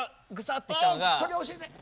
あそれ教えて。